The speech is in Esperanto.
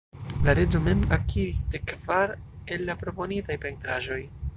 La reĝo mem akiris dekkvar el la proponitaj pentraĵoj.